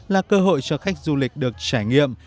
là cơ hội cho khách du lịch được trải nghiệm